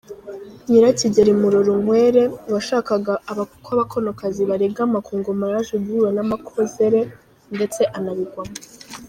Nyirakigeri Murorunkwere washakaga ko abakonokazi baregama ku ngoma yaje guhura n’amakozere ndetse anabigwamo.